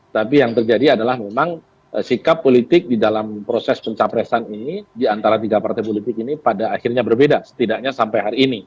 tapi yang terjadi adalah memang sikap politik di dalam proses pencapresan ini di antara tiga partai politik ini pada akhirnya berbeda setidaknya sampai hari ini